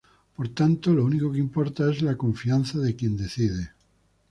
Por tanto, lo único que importa es la confianza de quien decide.